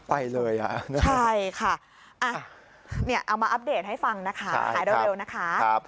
ไปเลยอ่ะใช่ค่ะเอามาอัปเดตให้ฟังนะคะหายเร็วนะคะ